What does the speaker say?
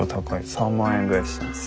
３万円ぐらいしたんです。